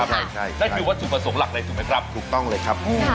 นั่นคือนว่าสุขผสมหรักเลยถูกไหมครับถูกต้องเลยครับค่ะ